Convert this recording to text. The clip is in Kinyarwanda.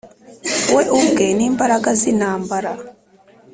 We ubwe n imbaraga z intambara